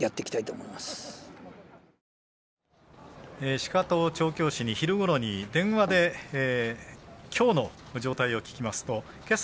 鹿戸調教師に電話できょうの状態を聞きますとけさ